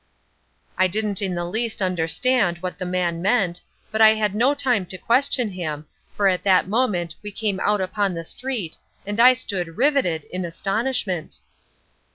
I didn't in the least understand what the man meant, but had no time to question him, for at that moment we came out upon the street, and I stood riveted in astonishment.